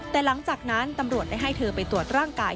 แต่หลังจากนั้นตำรวจได้ให้เธอไปตรวจร่างกาย